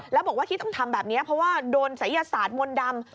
แล้วบอกว่าที่ต้องทำแบบนี้เพราะว่าโดนศัยศาสตร์มนต์ดำ